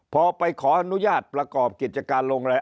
พอไปขออนุญาตประกอบกิจการโรงแรม